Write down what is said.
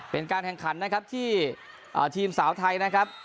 เป็นการแข่งขันนะครับที่ทีมสาวไทยนะครับ